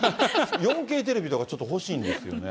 ４Ｋテレビとかちょっと欲しいんですよね。